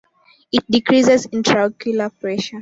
It decreases intraocular pressure.